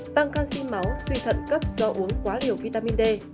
tăng canxi máu suy thận cấp do uống quá liều vitamin d